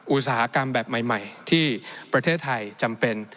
อุตสาหกรรมแบบใหม่ที่ประเทศไทยจำเป็น